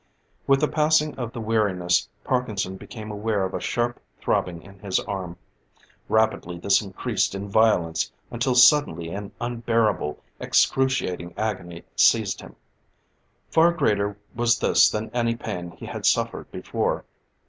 With the passing of the weariness, Parkinson became aware of a sharp throbbing in his arm. Rapidly this increased in violence, until suddenly an unbearable, excruciating agony seized him. Far greater was this than any pain he had suffered before.